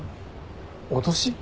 脅し？